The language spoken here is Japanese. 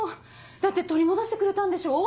だって取り戻してくれたんでしょ？